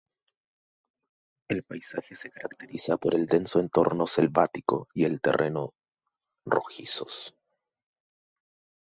El paisaje se caracteriza por el denso entorno selvático y el terreno rojizos.